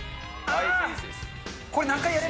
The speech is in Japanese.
これ何回やる？